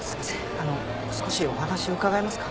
あの少しお話を伺えますか？